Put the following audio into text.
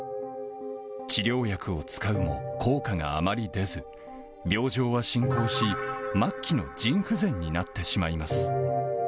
治療薬を使うも効果があまり出ず、病状は進行し、末期の腎不全になってしまいます。